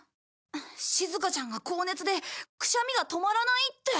しずかちゃんが高熱でくしゃみが止まらないって。